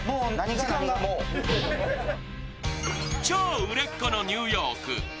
超売れっ子のニューヨーク。